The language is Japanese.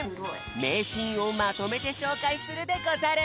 めいシーンをまとめてしょうかいするでござる！